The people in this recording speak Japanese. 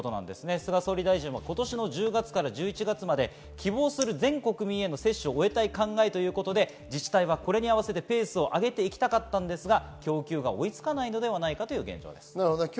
菅総理大臣は今年の１０月から１１月まで希望する全国民への接種を終えたい考えということで自治体はこれに合わせてペースを上げたかったんですが、供給が追いつかないのではないかという現状です。